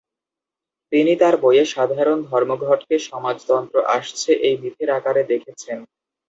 তিনি তার বইয়ে 'সাধারণ ধর্মঘট'কে সমাজতন্ত্র আসছে এই মিথের আকারে দেখেছেন।